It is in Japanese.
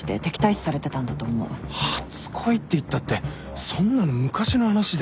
初恋っていったってそんなの昔の話で。